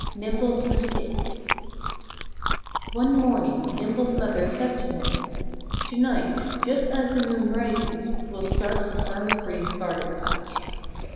V NIMBLE'S MISTAKE One morning Nimble's mother said to him, "To night, just as the moon rises, we'll start for Farmer Green's garden patch."